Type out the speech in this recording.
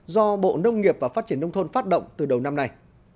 do bộ nông nghiệp và phát triển nông thôn phát động từ đầu năm nay